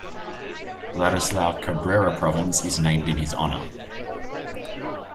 Ladislao Cabrera Province is named in his honour.